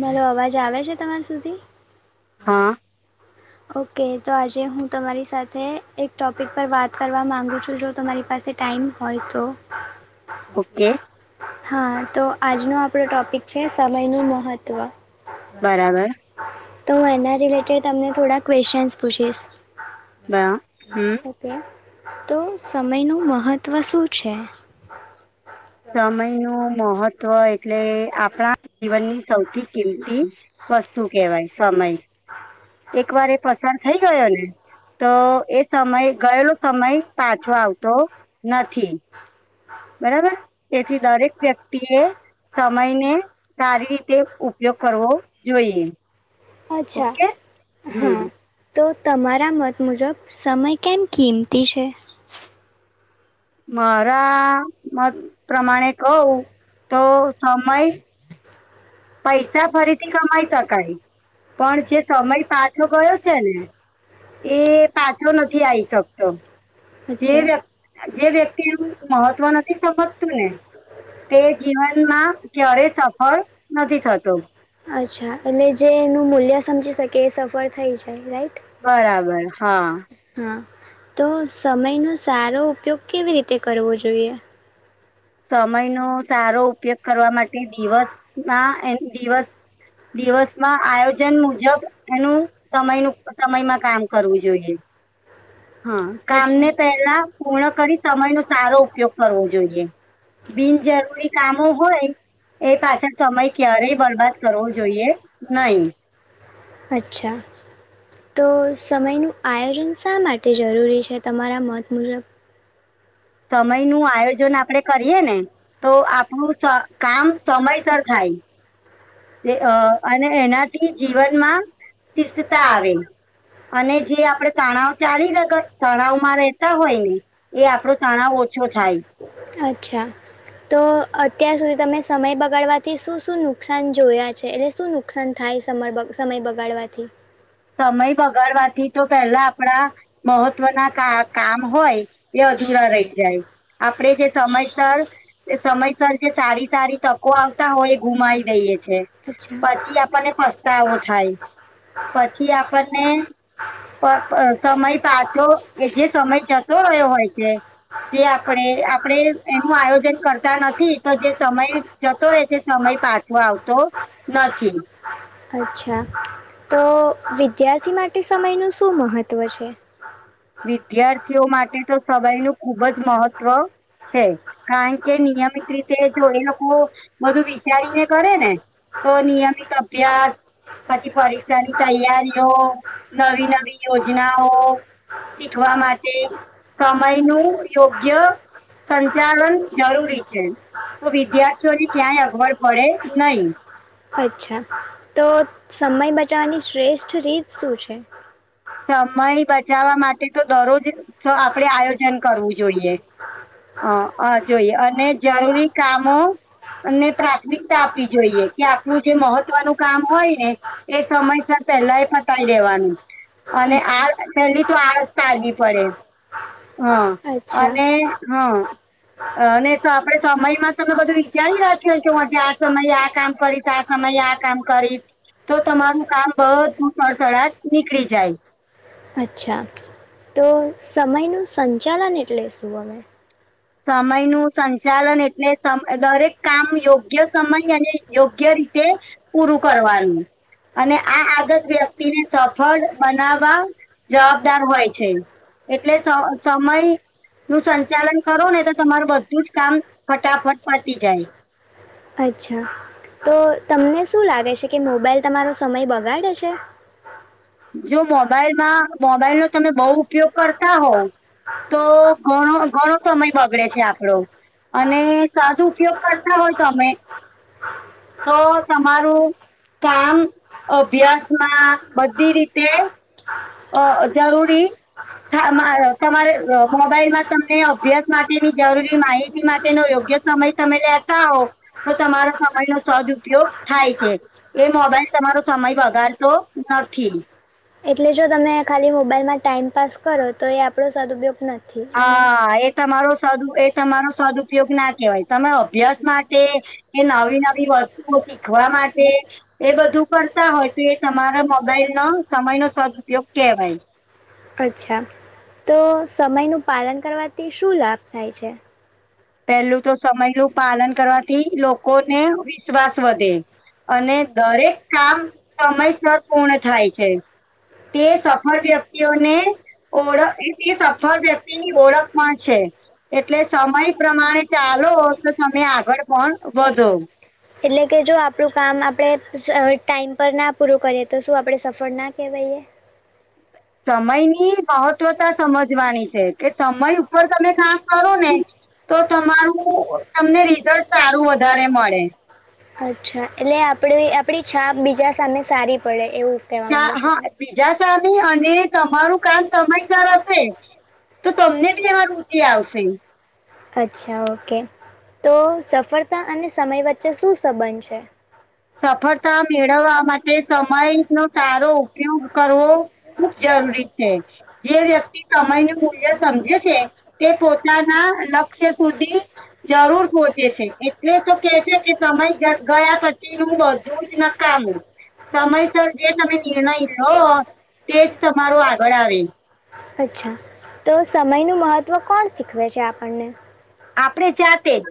મલો અવાજ આવે છે તમાર સુધી હા. ઓકે તો આજે હું તમારી સાથે એક ટોપિક પર વાત કરવા માંગુ છું જો તમારી પાસે ટાઈમ હોય તો ઓકે હા તો આજનો આપણો ટોપિક છે સમય નું મહત્વ. બરાબર તો હું એના રિલેટેડ તમને થોડા ક્વેશ્ચન પૂછીશ બરા હમ હું કેર. તો સમયનું મહત્ત્વ શું છે? સમય નું મહત્વ એટલે આપણા જીવનની સૌથી કિંમતી વસ્તુ કેવાય સમય. [inaudible] એક વાર એ પસાર થઈ ગયો ને. તો એ સમય ગયેલો સમય પાછો આવતો નથી. બરાબર એથી દરેક વ્યક્તિ એ સમય ને સારી રીતે ઉપયોગ કરવો જોઈએ. અચ્છા. ઓકે હા હમ. તો તમારા મત મુજબ સમય કેમ કિંમતી છે. મારા મત પ્રમાણે કવું તો સમય પૈસા ફરીથી કમાઈ શકાય. પણ જે સમય પાછો ગયો છે ને એ પાછો નથી આવીઈ શકતો જે અચ્છા વક્તિ જે વ્યક્તિ એનુંઈ મહત્વ નથી સમજતું ને તે જીવનમાં ક્યારે સફળ નથી થતો અચ્છા એટલે જે એનું મૂલ્ય સમજી શકે એ સફર થઇ જાય બરાબર રાઈટ. હા હા, તો સમય નો સારો ઉપયોગ કેવી રીતે કરવું જોઈએ? સમય નો સારો ઉપયોગ કરવા માટે દિવસમાં એ દિવસ દિવસમાં આયોજન મુજબ એનું સમય ન સમયમાં કામ કરવું જોઈએ. હા, કામને પેલા પૂર્ણ કરી સમયનોો સારો ઉપયોગ કરવો જોઈએ બિનજરૂરી કામો હોય એ પાછળ સમય ક્યારેય બરબાદ કરવો જોઈએ નયી. અચ્છા. તો સમયનું આયોજન શા માટે જરૂરી છે તમારા મત મુજબ? સમય નું આયોજન આપડે કરીએ ને તો આપણું કામ સમયસર થાય. થાઈ‌. અ અને એનાથી જીવનમાં તિસ્તા આવે. અને જે આપડે તણાવ ચાલીખ તણાવ માં રેતા હોય ને એ આપડો અચ્છા તો અત્યાર સુધી તમે સમય બગાડવાથી શું શું નુકસાન જોયા છે, એટલે શું નુકસાન થાય સમ સમય બગાડવાથી? સમય બગાડવાથી તો પેલા આપડા મહત્વના ક કામ હોય, એ અધુરા રહી જાય આપે જે સમયસર સમયસર જે સારી સારી તકો આવતા હોય એ ગુમાઈ ગુમાવી દઈ દઈએ છે છેથી પછી આપણને આપને પતા પસ્તાવો એવ થાય પછી આપણને સમય પાછો કે જે સમય જતો હોય, હ જે આપ આજન કરતા નથી, તો જો જતો સમય પાછો આવતો નથી. અચ્છા તો વિદ્યાર્થી માટે સમયનું શું મહત્ત્વ છે? વિદ્યાર્થીઓ માટે તો સય નું ખુબ જ મહત્વ છે, કારણ કે નિયમ છે કે જે લોકો બધું વિચારીને કરે ને તો તોરી નિયમિત અભ્યાસ આ પરીક્ષાની તૈયારીઓ નવી નવી યોજનાઓ શીખવા માટે સમય નું યોગ્ય સંચાલન જરૂરી છે, તો વિદ્યાર્થીઓને ત્યાં અગવડ પડે નહી. અચ્છા તો સમય બચાવવાની શ્રેષ્ઠ રીત શું છે? સમય બચાવવા માટે તો દરરોજ આપડે આયોજન કરવું જોઈએ, હ હ જોઈએ અને જરૂરી કામો, ને પ્રાથમિકતા આપવી જોઈએ, કે આપણું જે મહત્વનું કામ હોય ને એ સમય પેલા એ પતાવી દેવાનું અને આ પેલી તો આ રસ્તાાગી પડે હા અને અચ્છા હા અને આપે સમય માં તમે બધું વિચારી રાખ્યો કે હું આજે આ સમયે આ કામ કરીશ આ સમય આ કામ કરી તો તમારું કામ બધ સળસળજ નીકળી જાય, અચ્છા તો સમયનું સંચાલન એટલે શું? હવે સમય નું સંચાલન એટલે સમ દરેક કામ યોગ્ય સમય અને યોગ્ય રીતે પૂરું કરવાનું, અને આ આગત વ્યક્તિને સફળ બનાવવા જવાબદાર હોય છે. એટલે સમય નું સંચાલન કરો ને તો તમારું બધું જ કામ ફટાફટ પતી જાય. અચ્છા તો તમને શું લાગે છે, કે મોબાઈલ તમારો સમય બગાડે છે? જો મોબાઈલમાં મોબાઈલનોો તમે બહુ ઉપયોગ કરતા હોવ તો ઘણ ઘણ સમય બગડે છે, આપડો અને સાદું ઉપયોગ કરતા હોય તમે તો તમારું કામ અભ્યાસમાં બધ બી રીતે જરૂરી તમા- હા અ, તમારે અ, મોબાઈલમાં તમને અભ્યાસ માટેની જરૂરી માહિતી માટેનો યોગ્ય સમય તમે લેતા હો તો તમારો સમયનો સજ ઉપયોગ થાય છે એ મોબાઈલ તમારો સમય વગાડતો રાખી એટલે જો તમે ખાલી મોબાઈલમાં ટાઈમ પાસ કરો તો એ આપણો સદપયોગ નથી. હા એ તમારો સ એ તમારો સદુપયોગ ના કેહેવાય તમારો અભ્યાસ માટે એ નવી નવી વસ્તુઓ શીખવા માટે એ બધું કરતા હોય તો એ તમારા મોબાઈલ ન સમયનો સદ ઉપયોગ કેહવાય. અચ્છા તો સમયનું પાલન કરવાથી શું લાભ થાય છે? પેહલું તો સમયનું પાલન કરવાથી લોકોને વિશ્વાસ વધે અને દરેક કામ સમયસર પૂર્ણ થાય છે. તે સફળ વ્યક્તિઓને ઓળખ તે સફળ વ્યક્તિની ઓળખ પણ છે. એટલે સમય પ્રમાણે ચાલો તો તમે આગળ પણ વધો. એટલે કે જો આપણું કામ આપણે ટાઈમ પર ના પૂરું કરીએ તો શું આપડે સફળ ના કહેવાયએ? હ. સમયની મહત્વતા સમજવાની છે કે સમય ઉપર તમે કામ કરોને તો તમારું તમને રિઝલ્ટ સારું વધારે મળે. અચ્છા એટલે આપડે આપડી છાપ બીજા સામે સારી પડે. એવું કહેવા હા બીજા સામે માંગુ છું અને તમારું કામ તમે સમયસર હશે કરાવશે. તો તમને બી આમ રુચિ આવશે. અચ્છા ઓકે તો સફળતા અને સમય વચ્ચે શું સંબંધ છે? હા. સફળતા મેળવવા માટે સમય સારો ઉપયોગ કરવો ખુબ જરૂરી જે વ્યક્તિ સમય મૂલ્ય સમજે છે તે પોતાના [unintelligible] જરૂર પહોંચે છે એટલે તો કે છે કે સમય ગયા પછી હું બધું જ ના કર. સમયસર જે તમે નિર્ણય લઓ તેજ તમારો આગળ આવે. અચ્છા તો સમયનું મહત્વ કોણ શીખવે છે આપણને? આપડે જાતે જ.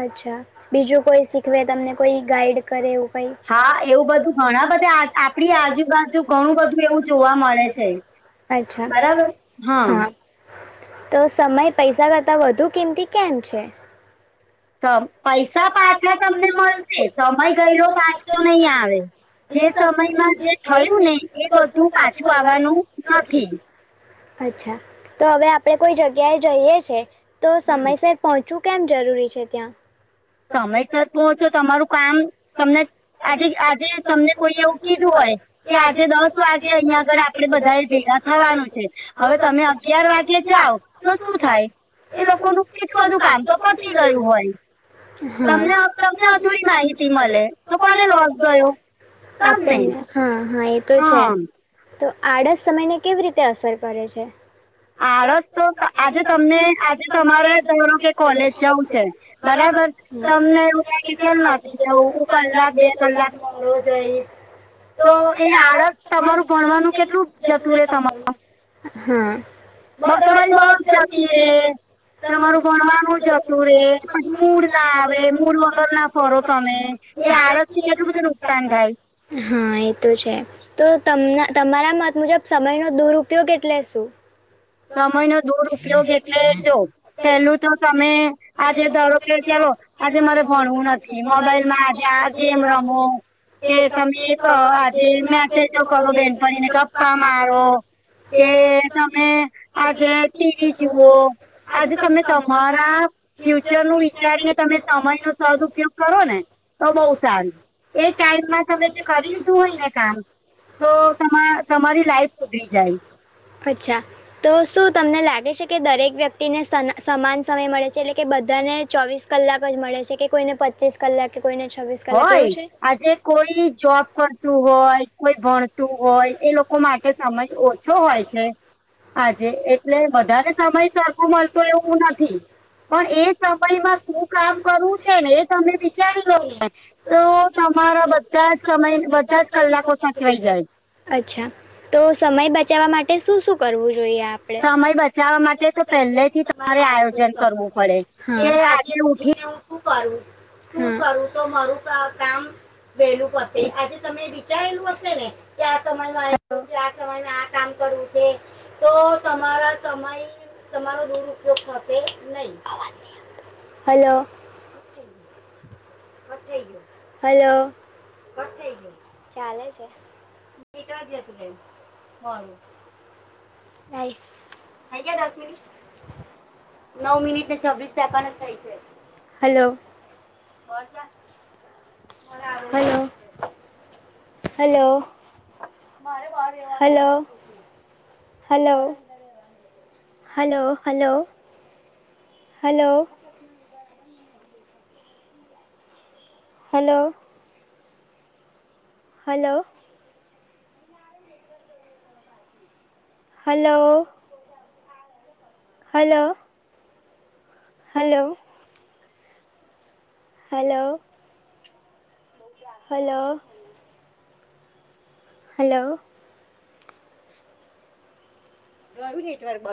અચ્છા બીજું કોઈ શીખવે તમને કોઈ ગાઈડ કરે એવું? હા એવું બધું ઘણા બધા આપડી આજુબાજુ ઘણું બધું એવું જોવા મળે છે અચ્છા. બરાબર. હા. તો સમય પૈસા કરતા વધુ કિંમતી કેમ છે? પૈસા પાછા તમને મળશે સમય ગયેલો પાછો નહી આવે. જે સમયમાં જે થયું ને એ બધું પાછું આવવાનું નથી. અચ્છા તો હવે આપણેે કોઈ જગ્યાએ જઈએ છે તો હમ સમયસર પહોંચું. કેમ જરૂરી છે ત્યાં? સમયસર પહોંચો તમારું કામ તમને આજે આજે તમને કોઈ એવું કીધું હો. કે આજે દસ વાગે અહીંયા આગળે આપડે બધા એ ભેગા થવાનું છે. હવે તમે અગયાર વાગ એટલે જાવ તો શું થાય એ લોકોનું કેટલું બધું કામ તો પતી ગયું હોય તમને તમને અધુરી માહિતી મળે તો કોને લોસ ગયો? તમને આપણને હા હા એ તો એ તો છે હા તો આડા સમયની કેવી રીતે અસર કરે છે? આળસ તો આજે તમને આજે તમારા ધરો કે કોલેજ જવું છે બરાબર તમને એવું કે નથ જવુ, કલાક બે કલાક જહી તો એ આળસ તમારુ વ્યવસ્થિત જતું રેય તમારું. હા. હું તમારી તો જતી રે. તમારું ભણવાનું જતું રે પછી મૂડના આવે મૂડ વગર ના ફરો તમે એ આળસથી કેટલું બધું નુકસાન થાય. હા એ તો છે તો તમના તમારા મત મુજબ સમયનો દુરપયોગ એટલે શું દૂર ઉપયોગ એટલે જો પેલું તો તમે આજે ધરો કે ચાલો આજે મારા ભણવું નથી મોબાઈલમાં આજે આ ગેમ રમો કે તમે એક અ આજે મેસેજો કરો બેનપણીને ગપ્પા મારો કે તમે આજે ટીવી જુઓ આજે તમે તમારા ફ્યુચરનું વિચારીને તમે સમયનો સદઉપયોગ કરો ને તો બઉુ સારું એ ટાઈમમાં તમે જે કરી લીધું હોય ને કામ તો તમા તમારી લાઈફ ઉડી જાય અચ્છા તો શું તમને લાગે છે કે દરેક વ્યક્તિને સમાન સમય મળે છે એટલે કે બધાને ચોવીસ કલાક જ મળે છે કે કોઈને પચીસ કલાક કોઈને છવ્વીસ કલાક એવું છે કોઈ જોબ કરતું હોય કોય ભણતું હોય એ લોકો માટે સમય ઓછો હોય છે. હા જ આજે એ એટલે વધારે સમય સરખો મળતો એવું નથી પણ એ ચપણીમાં શું કામ કરવું છે ને એ તમે વિચારી લો તો તમારા બધા જ સમય બધા જ કલાકો સચવાઈ જાય અચ્છા તો સમય બચાવવા માટે શું શું કરવું જોઈએ. સમય બચાવવા માટે તો પહેડથી તમારે આયોજન કરવું પડે હ એ આજે ઉઠીને હું શું કરું હ શું કરું તો મારું કામ વેલું પતે આજે તમે વિચારેલું હશે ને કે આ સમયમાં આ સમય આ કામ કરવું છે તો તમારા સમય તમારો દુરપયોગ થશે નહીં હલો હલો ચાલે છે. [unintelligible] બાય થય ગયા દસ મિનિટ નવ મિનિટને છવ્વીસ સેકન્ડ જ થઈ છે hello hello hello hello hello hello hello hello hello hello hello hello hello hello hello hello [unintelligible]